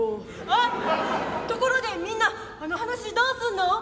「あっところでみんなあの話どうすんの？」。